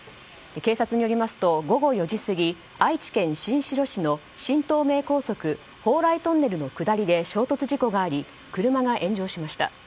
警察によりますと、午後４時過ぎ愛知県新城市の新東名高速の鳳来トンネルの下りで衝突事故があり車が炎上しました。